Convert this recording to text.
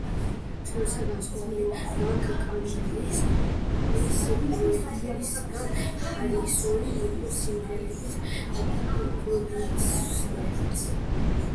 თუმცა, განსხვავებით მაკ-კარტნის პროექტისგან, ჰარისონი იყო სიმღერების პროდიუსერიც.